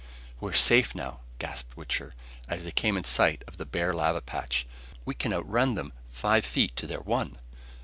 "We're safe now," gasped Wichter, as they came in sight of the bare lava patch. "We can outrun them five feet to their one!"